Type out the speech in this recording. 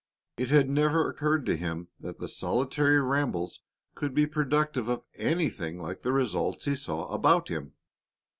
It had never occurred to him that the solitary rambles could be productive of anything like the results he saw about him.